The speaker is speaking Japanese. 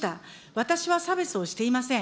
私は差別をしていません。